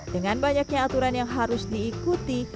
dengan banyaknya aturan yang harus diikuti